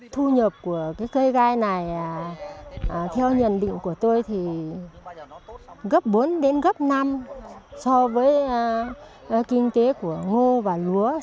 thu nhập của cây gai này theo nhận định của tôi thì gấp bốn đến gấp năm so với kinh tế của ngô và lúa